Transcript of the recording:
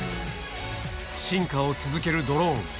進化を続けるドローン。